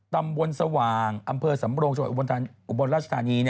ตำบลสว่างอำเภอสำโรงจังหวัดอุบลราชธานี